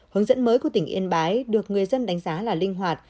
hướng dẫn mới của tỉnh yên bái được người dân đánh giá là linh hoạt